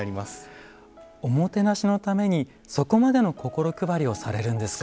おもてなしのためにそこまでの心配りをされるんですか。